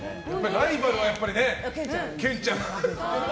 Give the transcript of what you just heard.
ライバルはやっぱりね憲ちゃんがね